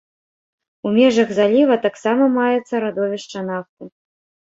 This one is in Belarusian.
У межах заліва таксама маецца радовішча нафты.